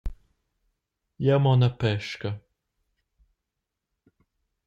Jeu mon a pesca.